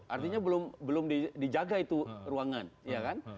artinya belum dijaga itu ruangan